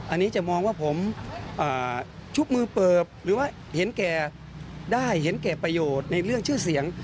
อันนี้จะมองว่าผมชุบมือเปิบหรือว่าเห็นแก่ได้เห็นแก่ประโยชน์ในเรื่องชื่อเสียง